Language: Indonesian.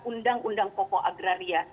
undang undang koko agraria